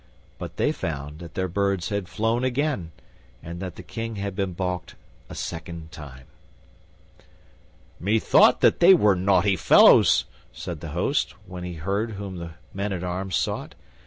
But they found that their birds had flown again, and that the King had been balked a second time. "Methought that they were naughty fellows," said the host, when he heard whom the men at arms sought.